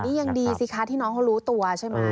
นี่ยังดีสิคะที่น้องเขารู้ตัวใช่ไหม